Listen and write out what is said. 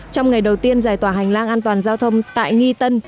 trong ngày đầu tiên giải tỏa hành lang an toàn giao thông tại nghi tân